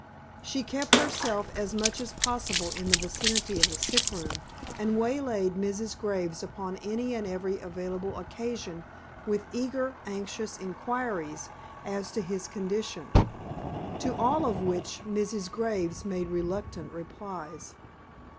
She kept herself as much as possible in the vicinity of the sick room, and waylaid Mrs. Graves upon any and every available occasion with eager, anxious inquiries as to his condition, to all of which Mrs. Graves made reluctant replies.